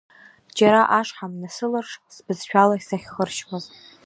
Џьара ашҳам насыларҽ, сбызшәала сахьхыршьуаз…